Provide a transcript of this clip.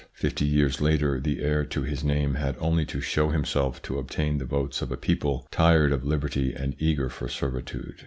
Fifty years later the heir to his name had only to show himself to obtain the votes of a people tired of liberty and eager for servitude.